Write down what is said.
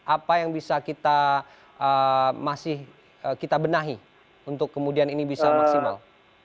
apa yang bisa kita masih kita benahi untuk kemudian ini bisa maksimal